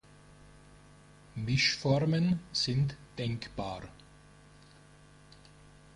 Mischformen sind denkbar.